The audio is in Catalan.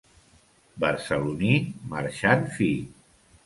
Barceloní, marxant fi.